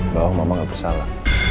bahwa mama gak bersalah